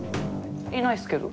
いないっすけど。